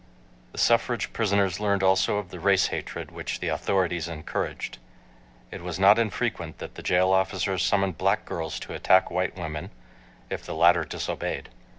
The suffrage prisoners learned also of the race hatred which the authorities encouraged. It was not infrequent that the jail officers summoned black girls to attack white women, if the latter disobeyed.